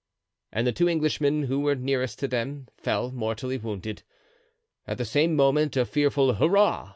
and the two Englishmen who were nearest to them fell, mortally wounded. At the same moment a fearful "hurrah!"